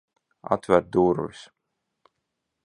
Atver durvis!